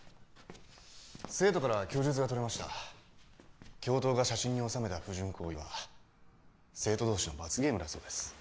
生徒から供述が取れました教頭が写真に収めた不純行為は生徒同士の罰ゲームだそうです